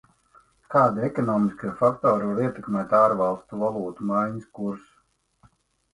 Kādi ekonomiskie faktori var ietekmēt ārvalstu valūtu maiņas kursu?